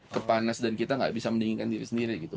kepanas dan kita gak bisa mendinginkan diri sendiri gitu